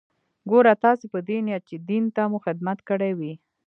ګوره تاسې په دې نيت چې دين ته مو خدمت کړى وي.